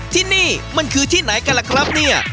ที่นี่มันคือที่ไหนกันล่ะครับเนี่ย